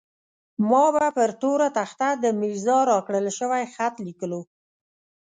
ما به پر توره تخته د ميرزا راکړل شوی خط ليکلو.